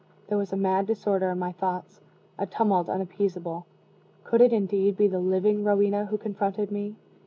There was a mad disorder in my thoughts a tumult unappeasable. Could it, indeed, be the living Rowena who confronted me?